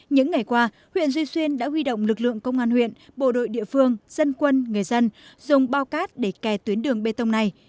những ngày qua huyện duy xuyên đã huy động lực lượng công an huyện bộ đội địa phương dân quân người dân dùng bao cát để kè tuyến đường bê tông này